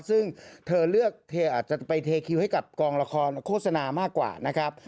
ซึ่งเธอเลือกเธออาจจะไปเทคิวให้กับกองละครโฆษณามากกว่านะครับ